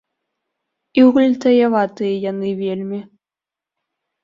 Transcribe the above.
І гультаяватыя яны вельмі.